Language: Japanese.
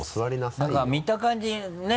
何か見た感じねぇ。